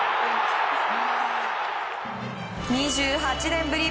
２８年ぶり